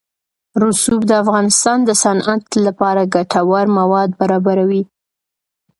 رسوب د افغانستان د صنعت لپاره ګټور مواد برابروي.